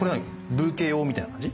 ブーケ用みたいな感じ？